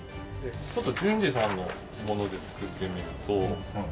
ちょっと純次さんのもので作ってみると。